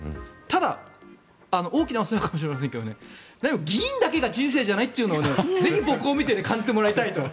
ただ大きなお世話かもしれませんけど議員だけが人生じゃないというのをぜひ僕を見て感じてもらいたいと。